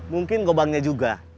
mungkin gobangnya juga